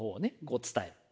こう伝える。